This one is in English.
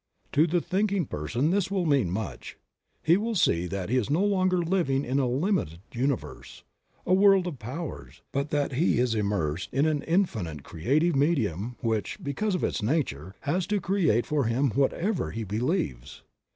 To the thinking person this will mean much ; he will see that he is no longer living in a limited universe, a world of powers, but that he is immersed in an Infinite Creative Medium which, because of Its Nature, has to create for him whatever he believes.